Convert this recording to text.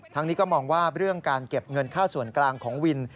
นี้ก็มองว่าเรื่องการเก็บเงินค่าส่วนกลางของวิน